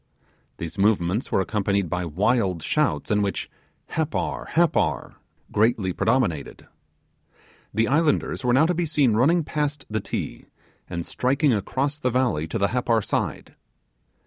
These movements were accompanied by wild shouts, in which 'Happar, Happar,' greatly predominated. The islanders were now seen running past the Ti, and striking across the valley to the Happar side.